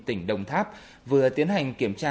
tỉnh đồng tháp vừa tiến hành kiểm tra